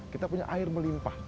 kita punya air melimpah